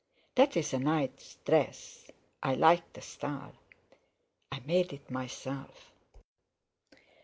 That's a nice dress—I like the style." "I made it myself."